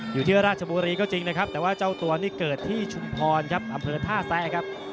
อยู่ที่ราชบุรีก็จริงนะครับแต่ว่าเจ้าตัวนี่เกิดที่ชุมพรครับอำเภอท่าแซะครับ